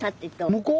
向こう？